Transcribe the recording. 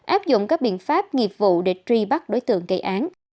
áp dụng các biện pháp nghiệp vụ để truy bắt đối tượng gây án